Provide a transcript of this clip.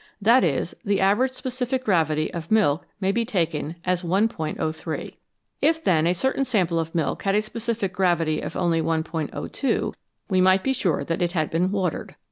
That is, the average specific gravity of milk may be taken as 1 '03. If, then, a certain sample of milk had a specific gravity of only 1 '02, we might be sure that it had been " watered."